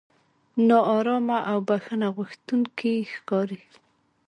نا ارامه او بښنه غوښتونکي ښکاري.